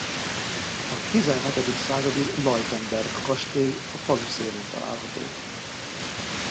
A tizenhetedik századi Leutemberg-kastély a falu szélén található.